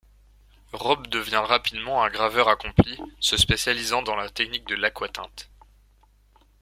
Robbe devient rapidement un graveur accompli se spécialisant dans la technique de l'aquatinte.